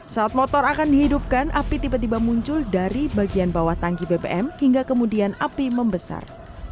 saat motor akan dihidupkan api tiba tiba muncul dari bagian bawah tangki bbm hingga kemudian api membesar